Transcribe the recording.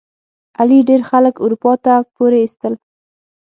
علي ډېر خلک اروپا ته پورې ایستل.